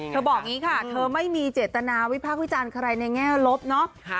เธอบอกอย่างนี้ค่ะเธอไม่มีเจตนาวิภาพวิจารณ์ในแง่ลบเนอะ